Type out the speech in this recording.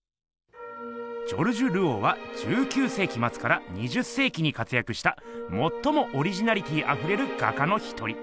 ジョルジュ・ルオーは１９せいきまつから２０せいきに活やくしたもっともオリジナリティーあふれる画家の一人。